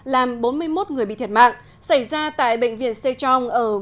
làm bốn mươi một người bị thiệt mạng xảy ra tại bệnh viện sejong ở thành phố miryang